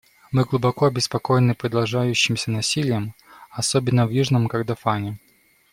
Мы глубоко обеспокоены продолжающимся насилием, особенно в Южном Кордофане.